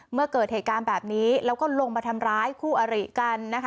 เมื่อเกิดเหตุการณ์แบบนี้แล้วก็ลงมาทำร้ายคู่อริกันนะคะ